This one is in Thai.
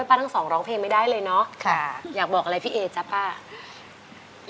อยากจะบอกว่าขอบพระคุณมากเลยที่ช่วยเหลือเนี่ยขอให้ได้ล้านเลยนะ